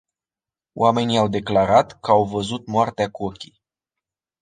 Oamenii au declarat, că au văzut moartea cu ochii.